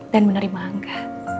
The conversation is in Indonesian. dan menerima angga